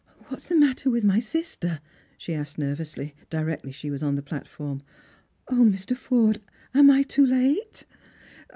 " What is the matter with my sister ?" she asked nervously, directly she was on the platform. " O, Mr. Forde, am I too late?